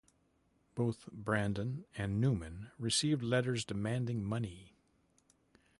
Both Brandon and Newman received letters demanding money.